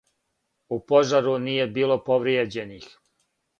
У пожару није било повријеđених.